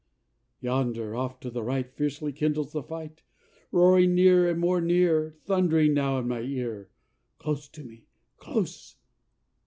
Yonder off to the right Fiercely kindles the fight; Roaring near and more near, Thundering now in my ear; Close to me, close